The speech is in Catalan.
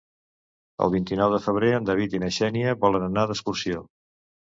El vint-i-nou de febrer en David i na Xènia volen anar d'excursió.